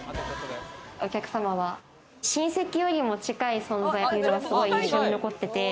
お客様は親戚よりも近い存在というのがすごく印象に残ってて。